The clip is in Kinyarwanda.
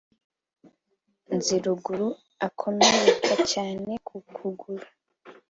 Nziruguru akomereka cyane ku kuguru